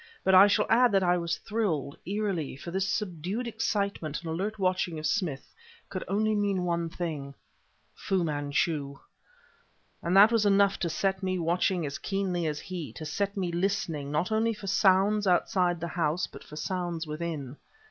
But I shall add that I was thrilled, eerily; for this subdued excitement and alert watching of Smith could only mean one thing: Fu Manchu! And that was enough to set me watching as keenly as he; to set me listening; not only for sounds outside the house but for sounds within.